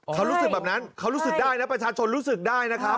เขารู้สึกแบบนั้นเขารู้สึกได้นะประชาชนรู้สึกได้นะครับ